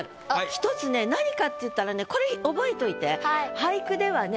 １つね何かっていったらねこれ覚えといて。俳句ではね。